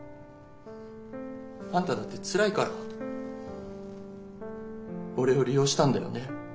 あんただってつらいから俺を利用したんだよね？